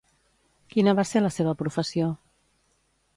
Quina va ser la seva professió?